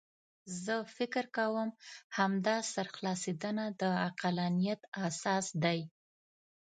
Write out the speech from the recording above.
زه فکر کوم همدا سرخلاصېدنه د عقلانیت اساس دی.